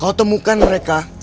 kau temukan mereka